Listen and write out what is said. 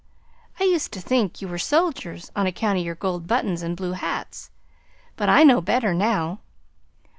I used to think you were soldiers, on account of your gold buttons and blue hats; but I know better now.